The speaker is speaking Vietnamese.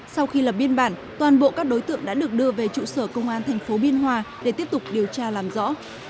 sau khi lập biên bản toàn bộ các đối tượng đã được đưa về trụ sở công an tp biên hòa để tiếp tục điều tra làm rõ